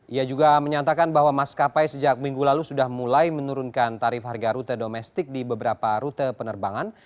ia juga menyatakan bahwa maskapai sejak minggu lalu sudah mulai menurunkan tarif harga rute domestik di beberapa rute penerbangan